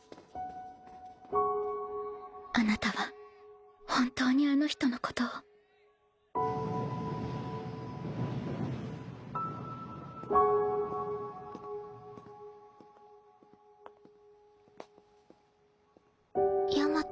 あなたは本当にあの人のことを清夏）